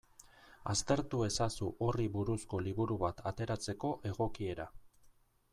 Aztertu ezazu horri buruzko liburu bat ateratzeko egokiera.